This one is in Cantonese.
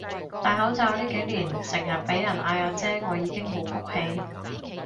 戴口罩呢幾年成日畀人嗌阿姐我已經好谷氣